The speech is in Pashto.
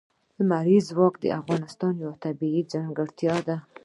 لمریز ځواک د افغانستان یوه طبیعي ځانګړتیا ده.